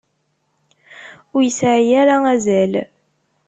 Ur yesɛi ara azal!